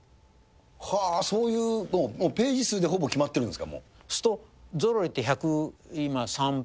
はぁ、そういうのもページ数でほぼ決まってるんですか？